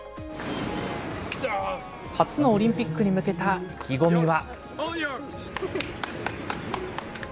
初のオリンピックに向けた意気込みは。